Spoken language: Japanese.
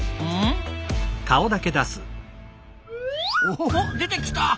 おほほ出てきた！